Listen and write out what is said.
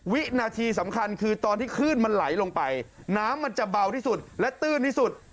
วินาทีสำคัญคือตอนที่คลื่นมันไหลลงไปน้ำมันจะเบาที่สุดและตื้นที่สุด